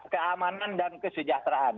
keamanan dan kesejahteraan